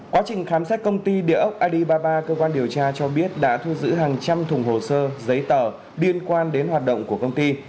quá trình khám xét công ty địa ốc alibaba cơ quan điều tra cho biết đã thu giữ hàng trăm thùng hồ sơ giấy tờ liên quan đến hoạt động của công ty